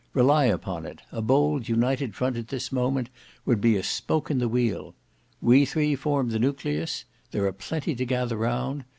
Rely upon it a bold united front at this moment would be a spoke in the wheel. We three form the nucleus; there are plenty to gather round.